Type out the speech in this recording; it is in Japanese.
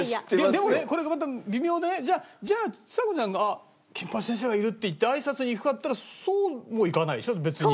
でもねこれがまた微妙でねじゃあちさ子ちゃんが「あっ金八先生がいる」って言って挨拶に行くかっていったらそうもいかないでしょ別に。